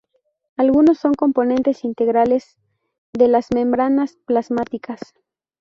Algunos son componentes integrales de las membranas plasmáticas.